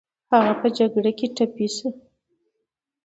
هغه په جګړه کې ټپي شو